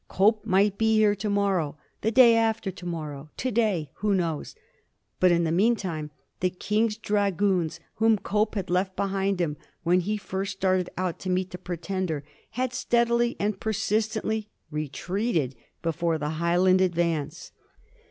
Cope might be here to morrow, the day after to morrow, to day, who knows ? But in the mean time the King's Dragoons, whom Cope had left behind him when he first started out to meet the Pretender, had steadily and persistently re treated before the Highland advance.